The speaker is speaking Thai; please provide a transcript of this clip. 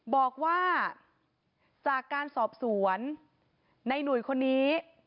บอกว่าจากการสอบสวนในหนุ่ยคนนี้